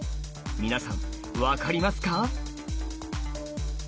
皆さん分かりますか？